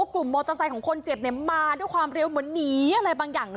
กลุ่มมอเตอร์ไซค์ของคนเจ็บมาด้วยความเร็วเหมือนหนีอะไรบางอย่าง